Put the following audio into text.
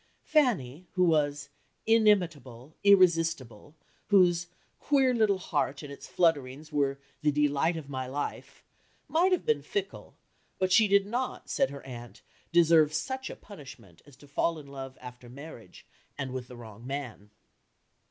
Fanny, who was "inimitable, irresistible," whose "queer little heart" and its flutterings were "the delight of my life," might have been fickle, but she did not, said her aunt, deserve such a punishment as to fall in love after marriage, and with the wrong man.